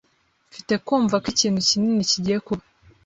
Mfite kumva ko ikintu kinini kigiye kuba.